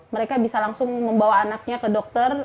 mereka bisa langsung membawa anaknya ke dokter